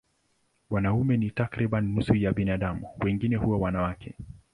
Wanaume ni takriban nusu ya binadamu, wengine huwa wanawake.